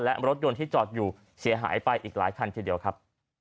และรถยนต์ที่จอดอยู่เสียหายไปอีกหลายคันทีเดียวครับ